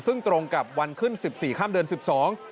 ซึ่งตรงกับวันขึ้น๑๔ข้ามเดือน๑๒